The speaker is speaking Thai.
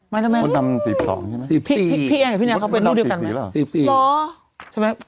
พี่แอนไหม